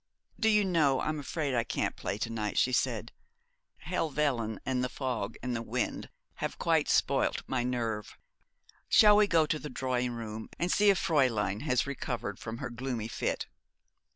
'Do you know I'm afraid I can't play to night,' she said. 'Helvellyn and the fog and the wind have quite spoilt my nerve. Shall we go to the drawing room, and see if Fräulein has recovered from her gloomy fit?'